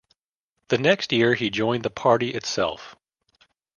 The next year he joined the party itself.